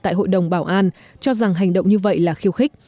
tại hội đồng bảo an cho rằng hành động như vậy là khiêu khích